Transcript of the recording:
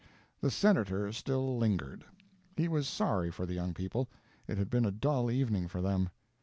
The "Senator" still lingered. He was sorry for the young people; it had been a dull evening for them.